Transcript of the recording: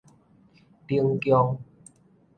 冷宮